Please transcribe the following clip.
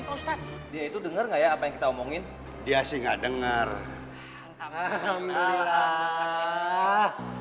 pak ustadz dia itu denger nggak ya apa yang kita omongin dia sih nggak denger alhamdulillah